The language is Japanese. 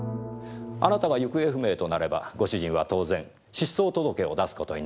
あなたが行方不明となればご主人は当然失踪届を出す事になるでしょう。